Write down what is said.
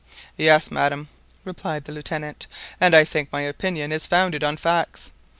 "Yes, madam," replied the Lieutenant; "and I think my opinion is founded on facts.